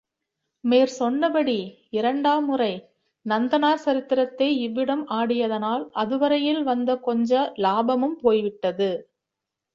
மேற் சொன்னபடி இரண்டாம் முறை நந்தனார் சரித்திரத்தை இவ்விடம் ஆடியதனால், அதுவரையில் வந்த கொஞ்ச லாபமும் போய்விட்டது.